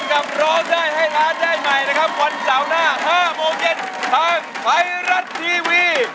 พบกับเราได้ให้ร้านได้ใหม่นะครับวันเหล้าหน้า๕โมงเย็นทางไฟรัสทีวี